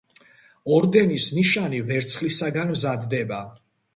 ორდენის ნიშანი ვერცხლისაგან მზადდება.